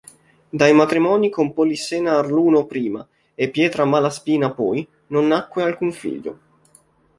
Dai matrimoni con Polissena Arluno prima e Pietra Malaspina poi, non nacque alcun figlio.